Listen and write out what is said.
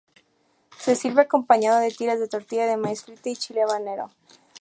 Se sirve acompañado de tiras de tortilla de maíz frita y chile habanero.